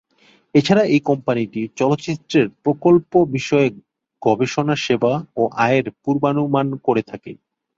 এছাড়া এই কোম্পানিটি চলচ্চিত্রের প্রকল্প বিষয়ক গবেষণা সেবা ও আয়ের পূর্বানুমান করে থাকে।